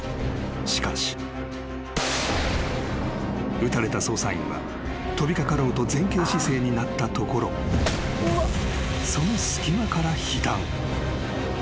［しかし］［撃たれた捜査員は飛び掛かろうと前傾姿勢になったところその隙間から被弾］